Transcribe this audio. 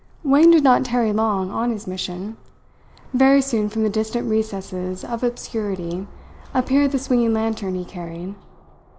Wang did not tarry long on his mission. Very soon from the distant recesses of obscurity appeared the swinging lantern he carried.